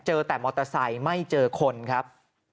แต่มอเตอร์ไซค์ไม่เจอคนครับ